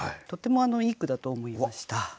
とってもいい句だと思いました。